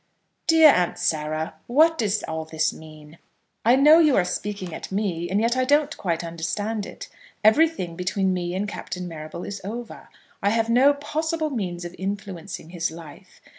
"Dear Aunt Sarah, what does all this mean? I know you are speaking at me, and yet I don't quite understand it. Everything between me and Captain Marrable is over. I have no possible means of influencing his life.